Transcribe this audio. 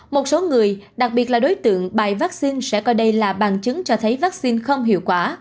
một số người đặc biệt là đối tượng bài vaccine sẽ coi đây là bằng chứng cho thấy vaccine không hiệu quả